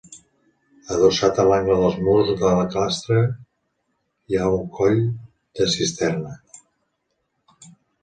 Adossat a l’angle dels murs de la clastra hi ha un coll de cisterna.